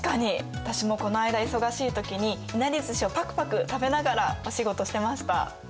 私もこの間忙しい時にいなりずしをパクパク食べながらお仕事してました。